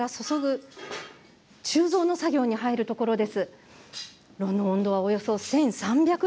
型に注ぐ鋳造の作業に入るところです。